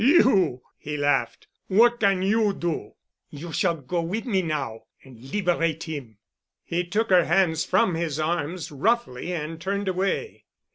"You," he laughed. "What can you do?" "You shall go with me now—and liberate him——" He took her hands from his arms roughly and turned away.